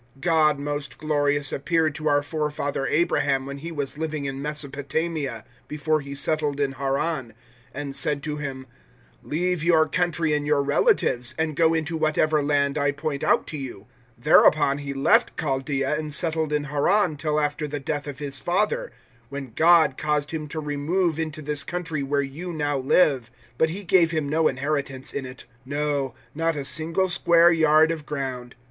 God Most Glorious appeared to our forefather Abraham when he was living in Mesopotamia, before he settled in Haran, 007:003 and said to him, "`Leave your country and your relatives, and go into whatever land I point out to you.' 007:004 "Thereupon he left Chaldaea and settled in Haran till after the death of his father, when God caused him to remove into this country where you now live. 007:005 But he gave him no inheritance in it, no, not a single square yard of ground.